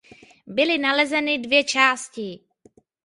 Byly nalezeny dvě části.